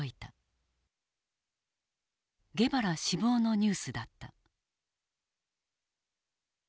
ゲバラ死亡のニュースだった。